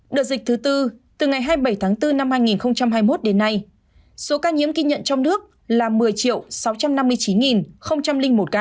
đợt dịch thứ tư từ ngày hai mươi bảy tháng bốn năm hai nghìn hai mươi một đến nay số ca nhiễm ghi nhận trong nước là một mươi sáu trăm năm mươi chín một ca